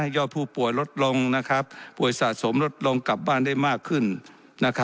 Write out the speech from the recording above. ยอดผู้ป่วยลดลงป่วยสะสมลดลงกลับบ้านได้มากขึ้น